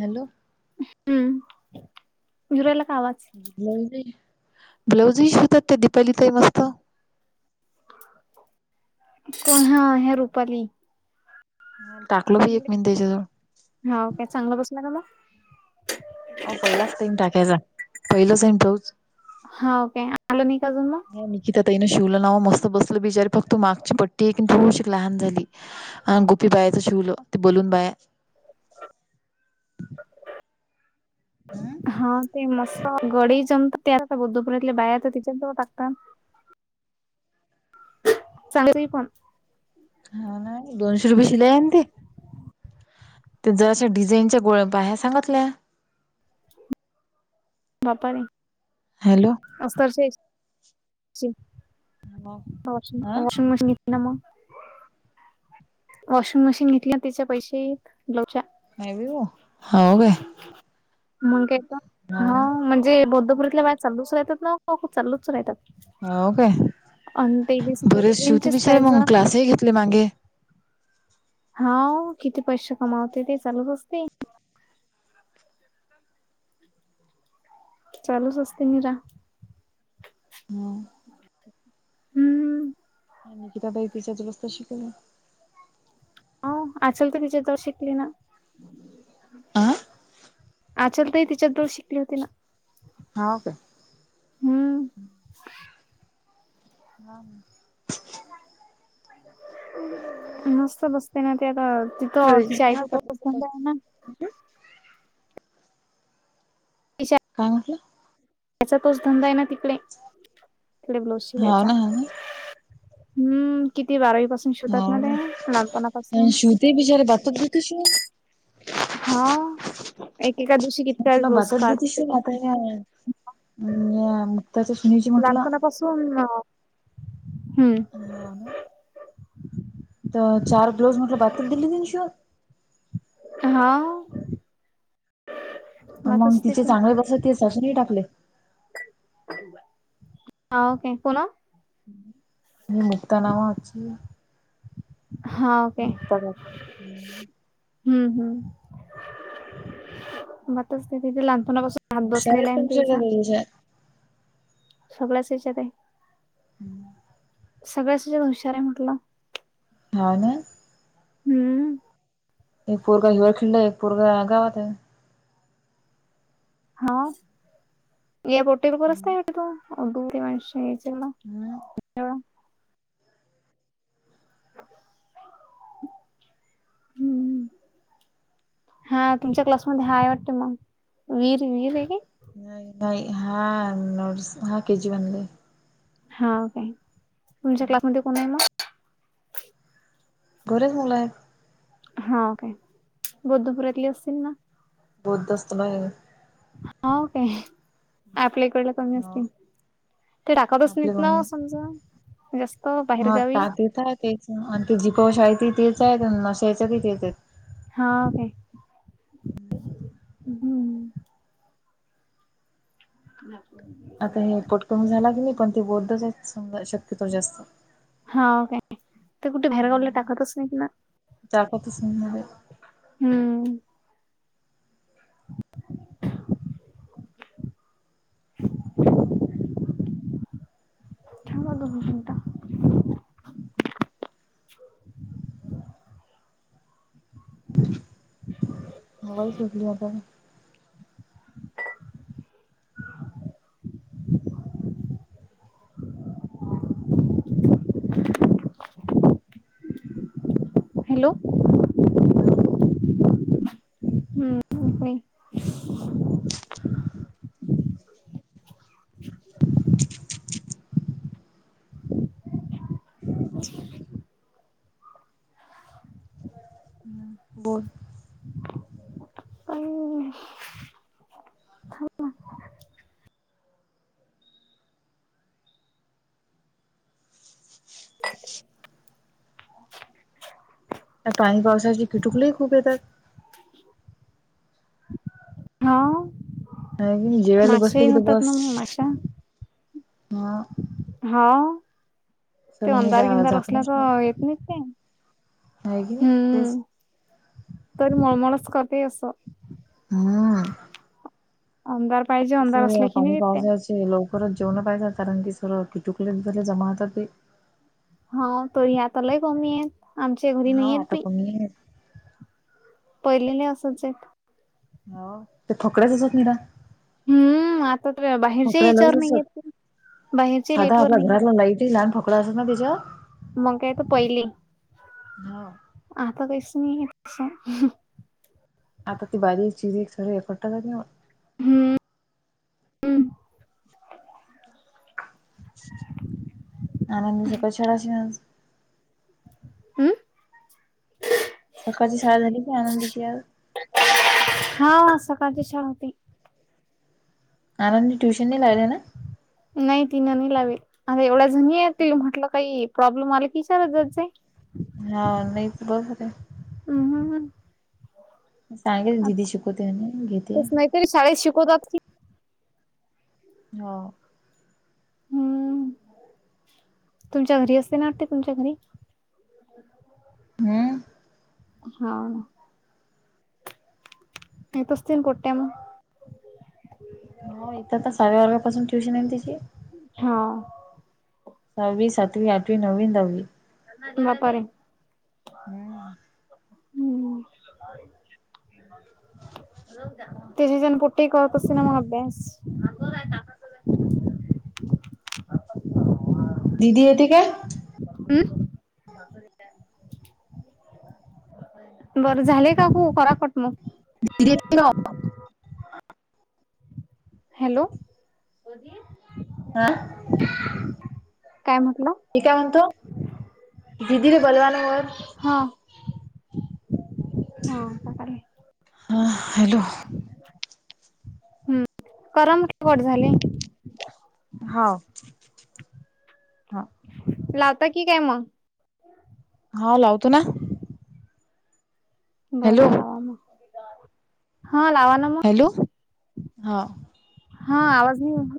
Hello. हम्म, येऊ राहिला काय आवाज? ब्लाऊज, ब्लाऊज नाही शिकत ते दिपाली ताई मस्त कोण हा ह्या रुपाली. टाकलं बई, एक मिनट झायल हा का, चांगलं बसला मला. अ, पहिलाच देवून टाकायचा, पहिलं जाऊन ब्लाऊज हा काय, आल नाही काय अजून म. ह, निकिता तईन शिवल ना, मस्त बसलं बिचारी फक्त मागची पट्टी हेय थोडीशी लहान झाली. अ, गोपी बायाचं शिवल, ते बोलून बाया हम् हा ते मस्त, गडी जम तयार बद्धपुरतल्या बाया तर तिच्या टागतात [unintelligible] हा ना, दोनशे रुपये शिलाई हाय आणि ते. ते जरशा डिझाईनच्या गोळया, बाया सांगतल्या. बापारी हॅलो. असतरचे, वॉशी, हा वॉशिंग मशीन घेतली मंग वॉशिंग मशीन घेतली ना तिच्या पैसेत लोच्या. नाही भी ओ, हां, हो गया. मग काय हा म्हणजे बौद्धपुरीतल्या बाया चालूच राहतात. ना चालूच राहतात. हो काय आणि ते बरच शेवती त्यांचेच बिचारी पाहिजे मग क्लासही घेतले मागें. हा ओ, किती पैसे कमावते ते चालूच असते. चालूच असतें मीरा. हम्म. त्या निकीताबाई तिच्याच बस्ता शिकवल्या. औं, आसल तर तिच्या जवळ शिकली ना. आं? आचल ताई तिच्याच जवळ शिकली होती ना. हाव काय? हम्म. [inaudible] [inaudible] नसत बसते ना, ते आता तिथं [unintelligible] बोब आहे ना, [unintelligible] काय म्हटला? त्याचा तोच धंदा आहे ना तिकडे, तिकडे ब्लाऊज हाव शिवायचा. ना हाव ना हम्म किती बारावी पासून शिवतात ना, ते लहानपणापासन. ते विषारे धातधुती शु. [unintelligible] हा, एकेका दिवशी की [unintelligible] त्या रोज काढतो पण. हम्म, या मुक्ताच्या सुनेजी म्हटला. कस होईल ना मग. हम्म. हाव ना तर, चार दिवस म्हंटल बाथरूम गेली नाही शुअर? हां. मग तिचे तिथे. चांगले बस ते सासून टाकले. हा, ओके बोला. [inaudible] मु, मुक्तानामाची. हा, ओके. काकू हुशार हम्म, हम्म, मग तिथेच लहानपणापासून- हात बसलेला आहेत आहे, ना पण तुझ्या त्या तिचा - दोघी हुशार. [unintelligible] [inaudible] सगळ्यासनी हुशार आहे म्हटलं. हां ना? हम्म. एक पोरगा हिवाळखंड हाय, एक पोरगा गावात हाय. [unintelligible] हम्म [unintelligible] हम्म. [inaudible] हा, तुमच्या क्लासमध्ये हाय वाटतं मग, वीर, वीर आहे काय? नाही, नाही हा नोडस, हा [unintelligible] मध्ये. हा, काय तुमच्या क्लासमध्ये कोण आहे मग? बरेच मुलं आहेत. हा काय? बुद्धपुरातली असतील मग? बुध [unintelligible] दस्त नाही आहे. हाव काय, आपल्याकडे. क [unintelligible] अस ते टाकतच आपले नाहीत ना, मम्मी समजा जास्त- हा बाहेरगावी. टा तेच आहे तेच आणि ते जीपाशा आहे त तेच आहेत आणि नशायच त तेच आहेत [unintelligible] हा काय? [inaudible] हम्म. [inaudible] आता हे पटकन झाला की नाही पण ते बोलतच समजा शक्यतो जास्त. हाव काय ते कुठे बाहेर गावला टाकतच नाहीत ना. ताकतच नाही हम्म. [inaudible] [inaudible] दघ चिनता [inaudible] [inaudible] ह [inaudible] हो सुचयाता [inaudible] [inaudible] [inaudible] हॅलो. ह हम्म. ह [inaudible] बोल. आई थांबन. त्या पाणी पावसाची किटुकलेही खूप येतात. हाव. हाय की जेवायले बसलो की तर बस माशा हा. हाव. ते सगळी अंधार गिनंदार असल्या झाकूनच तर येत नाही ते आहे की नाही तेच हम्म. तरी मळमळच करते असं. हम्म. अंगावर पाहिजे. तस अंधार असले की पाणी नाही देते पावसाचे लवकरच जेवण पाहिजात कारण की सर्व किटुकुले झारले जमा होतात बाई. हा तरी आता लाय कमी आहेत आमच्या घरी हा नाही आहेत आता बाई. कोणी आहे पहिलेले असंच आहे. हो ते थकल्याच होते निरा. हम्म आता बाहेरच्या फकड्या याच्यावर लईच नाही येत असत. ते. बाहेरच्या लेट साधा वर आपल्या नाही येत घरातला आता. लाईटही लहान ठोकडि असल ना त्यांच्यावर. मग काय तर पहिले हा. आता काहीच नाहीये असं. आता ती बारीक चिरी एक सगळे एक खट काही नाही होत. हम्म आणि मी सकाळ शछडाश [inaudible] ना हम्म. सकाळची शाळा झाली की आनंदचीे आज. हा सकाळची शाळा होती. आनंदी ट्यूशन नाही लावेल ना? नाही तिनं नाही लावेल आता एवढ्या जणी आहेत तिले म्हटलं काही प्रॉब्लेम आला कि विचारत जात जाय. हा नाहीच बस होते. हम्म, हम्म, हम्म. सांगेल दिदी शिकवते घेत तेच नाहीतरी शाळेत शिकवतात की हो. हम्म तुमच्या घरी असते ना आरती तुमच्या घरी. हम्म. हा येत असतील पोट्या मग. हो इथं [unintelligible] ट्युशन आहे ना तिची. हा. सव्वी, सातवी, आठवी, नववी, दहावी. बापारे. हम्म. हम्म. [inaudible] तेची जण पुटी कवापासून [unintelligible] दीदी येती काय? हम्म. बरं झालेय काकू करा कट मग. [unintelligible] हॅलो, हा काय म्हटलं? मी काय म्हणतो दीदीने बलवाना वर हां. हा हॅलो. हम्म करम केवट झाले. हाव. हा लावता की काय मग. हा लावतो ना. बर हॅलो लावा मग हा लावा लावा. हॅलो. हा. हा आवाज नाही [unintelligible]